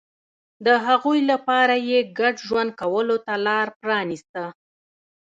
د هغوی لپاره یې ګډ ژوند کولو ته لار پرانېسته